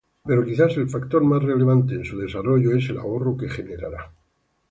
Pero quizás el factor más relevante en su desarrollo es el ahorro que generará.